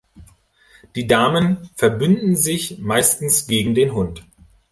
Die Damen verbünden sich meistens gegen den Hund.